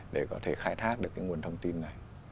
để có thể khai thác được cái nguồn thông tin này